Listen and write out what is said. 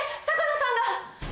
坂野さんが！